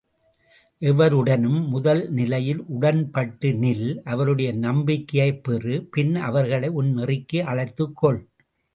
எவருடனும் முதல் நிலையில் உடன்பட்டுநில் அவருடைய நம்பிக்கையைப் பெறு பின் அவர்களை உன் நெறிக்கு அழைத்துக் கொள்.